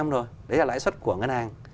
hai rồi đấy là lãi suất của ngân hàng